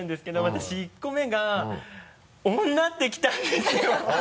私１個目が「女」ってきたんですよ